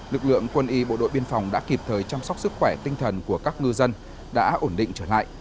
lực lượng quân y bộ đội biên phòng đã kịp thời chăm sóc sức khỏe tinh thần của các ngư dân đã ổn định trở lại